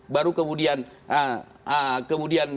baru kemudian kemudian